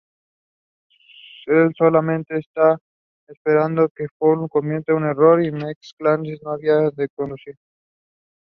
He established several other trading outposts.